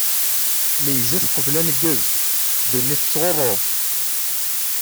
Meyyzet uqbel aneggez, ddunit tettɣuṛṛu!